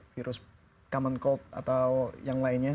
virus common cold atau yang lainnya